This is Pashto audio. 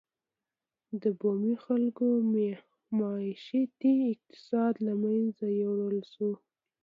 د بومي خلکو معیشتي اقتصاد له منځه یووړل شو.